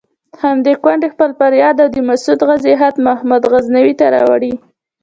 همدې کونډې خپل فریاد او د مسعود غازي خط محمود غزنوي ته راوړی.